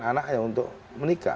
anaknya untuk menikah